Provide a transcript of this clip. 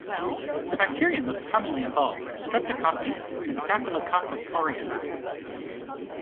The bacteria most commonly involved are streptococci and "Staphylococcus aureus".